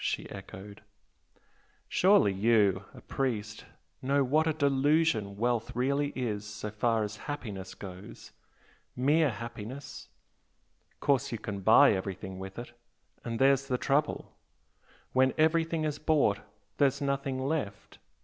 she echoed. "Surely you a priest know what a delusion wealth really is so far as happiness goes? mere happiness? course you can buy everything with it and there's the trouble! When everything is bought there's nothing left!